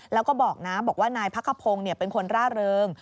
แล้วก็บอกนะบอกว่านายพักขพงศ์เป็นคนร่าเริง